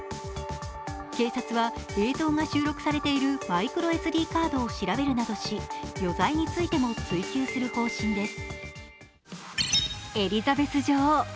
警察は映像が収録されているマイクロＳＤカードを調べるなどし余罪についても追及する方針です。